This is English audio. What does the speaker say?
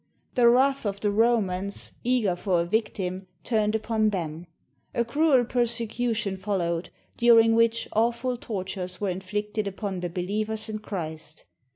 The wrath of the Romans, eager for a victim, turned upon them. A cruel persecution followed, during which awful tortures were inflicted upon the believers in Christ.